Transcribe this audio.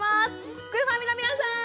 すくファミの皆さん！